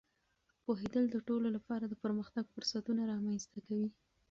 پوهېدل د ټولو لپاره د پرمختګ فرصتونه رامینځته کوي.